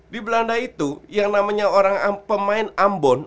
di belanda itu yang namanya orang pemain ambon